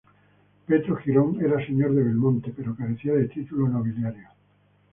Pedro Girón era señor de Belmonte pero carecía de título nobiliario.